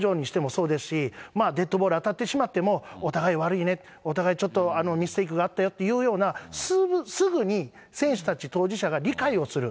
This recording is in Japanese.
そうですし、デッドボール当たってしまっても、お互い悪いね、お互いちょっとミステイクがあったよっていうような、すぐに選手たち、当事者が理解をする。